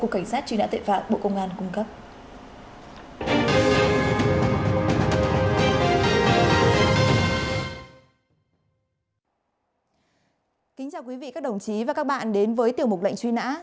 kính chào quý vị các đồng chí và các bạn đến với tiểu mục lệnh truy nã